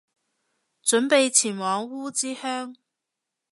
準備前往烏之鄉